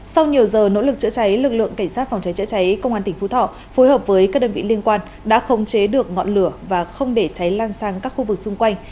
sau nhiều giờ nỗ lực chữa cháy lực lượng cảnh sát phòng cháy chữa cháy công an tỉnh phú thọ phối hợp với các đơn vị liên quan đã khống chế được ngọn lửa và không để cháy lan sang các khu vực xung quanh